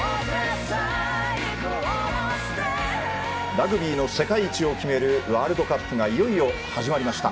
ラグビーの世界一を決めるワールドカップがいよいよ始まりました。